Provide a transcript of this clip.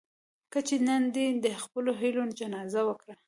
کچې نن دې د خپلو هيلو جنازه وکړه.